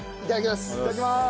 いただきます。